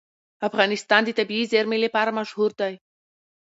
افغانستان د طبیعي زیرمې لپاره مشهور دی.